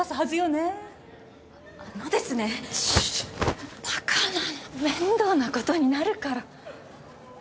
面倒なことになるから！